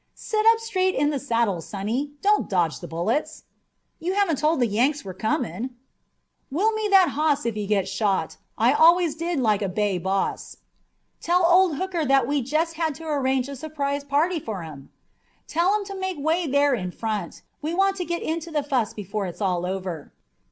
"Sit up straight in the saddle, sonny. Don't dodge the bullets!" "You haven't told the Yanks that we're comin'." "Will me that hoss if you get shot. I always did like a bay boss." "Tell old Hooker that we jest had to arrange a surprise party for him." "Tell 'em to make way there in front. We want to git into the fuss before it's all over."